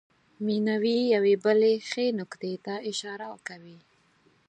مینوي یوې بلې ښې نکتې ته اشاره کوي.